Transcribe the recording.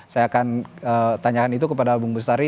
saya akan tanyakan itu kepada bung bestari